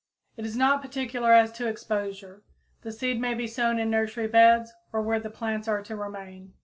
It is not particular as to exposure. The seed may be sown in nursery beds or where the plants are to remain.